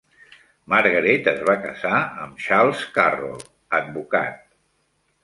Margaret es va casar amb Charles Carroll, advocat.